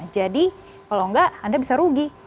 jadi kalau enggak anda bisa rugi